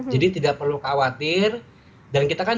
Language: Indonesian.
jadi tidak perlu khawatir dan kita kan